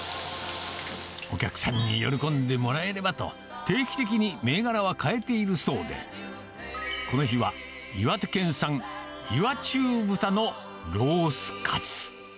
お客さんに喜んでもらえればと、定期的に銘柄は変えているそうで、この日は岩手県産、岩中豚のロースかつ。